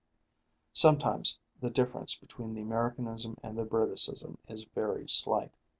Sometimes the difference between the Americanism and Briticism is very slight.